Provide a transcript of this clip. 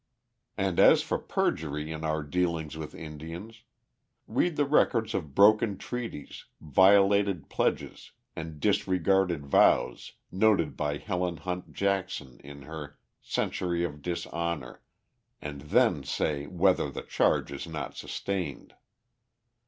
] And as for perjury in our dealings with Indians: read the records of broken treaties, violated pledges, and disregarded vows noted by Helen Hunt Jackson in her "Century of Dishonor," and then say whether the charge is not sustained.